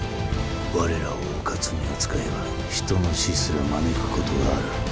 我らをうかつに扱えば人の死すら招くことがある。